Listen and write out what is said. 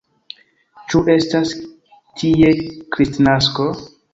Ĉu estas tie Kristnasko?